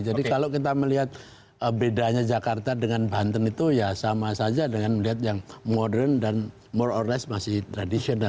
jadi kalau kita melihat bedanya jakarta dengan banten itu ya sama saja dengan melihat yang modern dan more or less masih tradisional